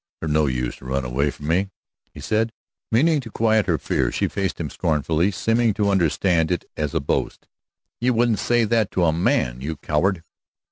"There's no use to run away from me," he said, meaning to quiet her fear. She faced him scornfully, seemingly to understand it as a boast. "You wouldn't say that to a man, you coward!"